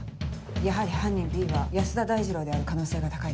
やはり犯人Ｂは安田大二郎である可能性が高いです。